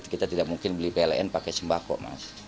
kita tidak mungkin beli pln pakai sembako mas